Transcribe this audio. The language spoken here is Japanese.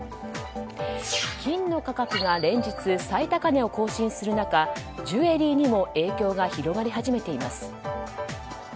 金の価格が連日最高値を更新する中ジュエリーにも影響が広がり始めています。